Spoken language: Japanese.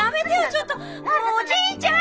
ちょっともうおじいちゃん！